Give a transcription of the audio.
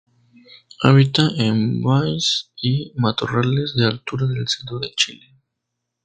Habita en valles y matorrales de altura del centro de Chile.